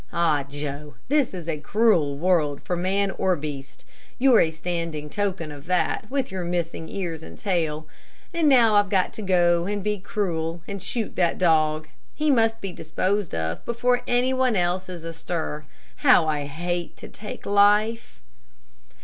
Ah, Joe, this is a cruel world for man or beast. You're a standing token of that, with your missing ears and tail. And now I've got to go and be cruel, and shoot that dog. He must be disposed of before anyone else is astir. How I hate to take life."